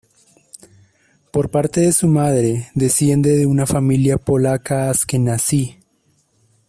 Por parte de su madre, desciende de una familia polaca askenazí.